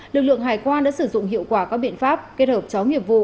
lực lượng hải quan đã sử dụng hiệu quả các biện pháp kết hợp chóng hiệp vụ